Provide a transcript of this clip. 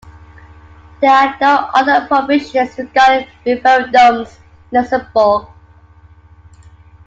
There are no other provisions regarding referendums in Luxembourg.